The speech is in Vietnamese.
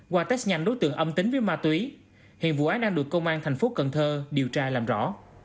qua test nhanh đối tượng âm tính với ma túy hiện vụ án đang được công an tp cn điều tra làm rõ